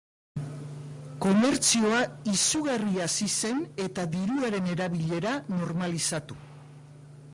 Komertzioa izugarri hasi zen eta diruaren erabilera normalizatu.